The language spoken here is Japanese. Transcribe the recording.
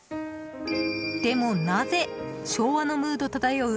でも、なぜ昭和のムード漂う